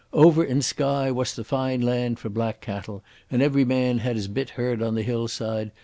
"Over in Skye wass the fine land for black cattle, and every man had his bit herd on the hillside.